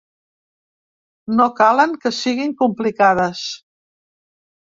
No calen que siguin complicades.